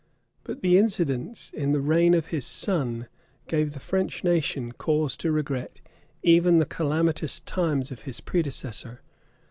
But the incidents in the reign of his son John gave the French nation cause to regret even the calamitous times of his predecessor.